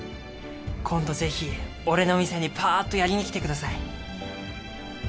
今度ぜひ俺の店にぱーっとやりに来てください。